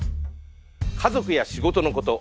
家族や仕事のこと